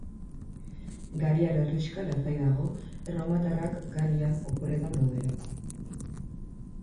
Galiar herrixka lasai dago, erromatarrak Galian oporretan daudelako.